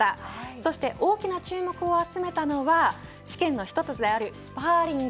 そして大きな注目を集めたのは試験の一つであるスパーリング。